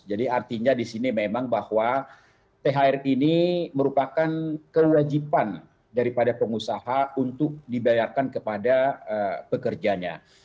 jadi artinya di sini memang bahwa thr ini merupakan kewajiban daripada pengusaha untuk dibayarkan kepada pekerjanya